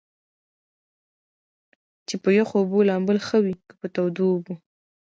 چې پۀ يخو اوبو لامبل ښۀ وي کۀ پۀ تودو اوبو ؟